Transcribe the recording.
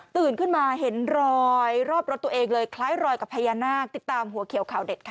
ขึ้นมาเห็นรอยรอบรถตัวเองเลยคล้ายรอยกับพญานาคติดตามหัวเขียวข่าวเด็ดค่ะ